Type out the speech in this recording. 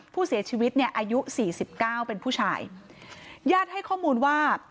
ผู้เสียชีวิตเนี่ยอายุ๔๙เป็นผู้ชายญาติให้ข้อมูลว่า